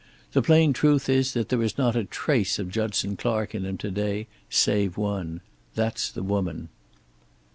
The plain truth is that there is not a trace of Judson Clark in him to day, save one. That's the woman."